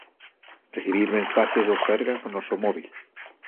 Recibir mensaxes do Sergas no noso móbil.